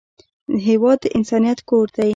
هېواد د انسانیت کور دی.